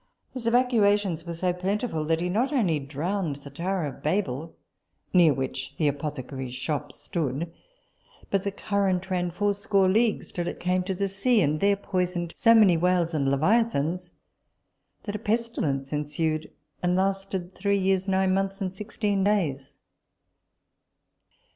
His evacuations were so plentiful, that he not only drowned the tower of Babel, near which the apothecary's shop stood, but the current ran fourscore leagues till it came to the sea, and there poisoned so many whales and leviathans, that a pestilence ensued, and lasted three years, nine months and sixteen days.